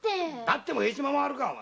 だってもヘチマもあるか！